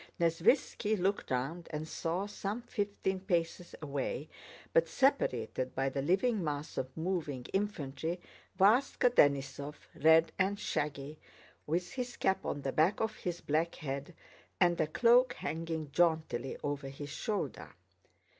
Nesvítski looked round and saw, some fifteen paces away but separated by the living mass of moving infantry, Váska Denísov, red and shaggy, with his cap on the back of his black head and a cloak hanging jauntily over his shoulder.